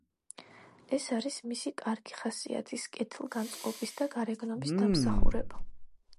ეს არის მისი კარგი ხასიათის, კეთილგანწყობის და გარეგნობის დამსახურება.